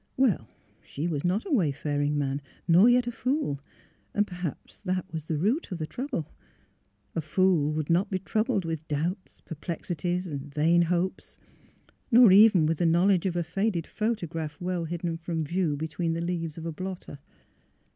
Well ; she was not a way faring man, nor yet a fool; and perhaps that was the root of the trouble. A fool would not be troubled with doubts, perplexities, vain hopes — nor even with the knowledge of a faded photo MILLSTONES AND OPPORTUNITIES 135 graph well hidden from view between the leaves of a blotter.